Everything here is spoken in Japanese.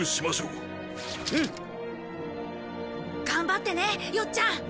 うん。頑張ってねよっちゃん。